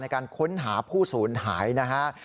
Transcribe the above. ในการค้นหาผู้ศูนย์หายนะครับ